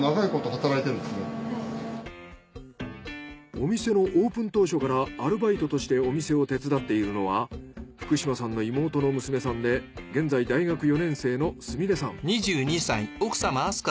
お店のオープン当初からアルバイトとしてお店を手伝っているのは福島さんの妹の娘さんで現在大学４年生の菫さん。